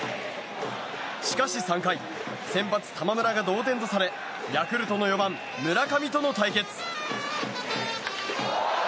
しかし３回先発、玉村が同点とされヤクルトの４番、村上との対決。